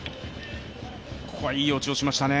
ここはいい落ちをしましたね。